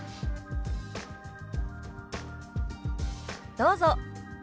どうぞ。